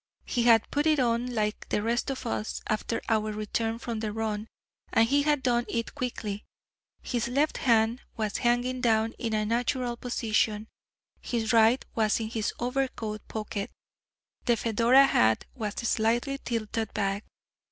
He had put it on like the rest of us, after our return from the run, and he had done it quickly. His left hand was hanging down in a natural position; his right was in his overcoat pocket. The Fedora hat was slightly tilted back.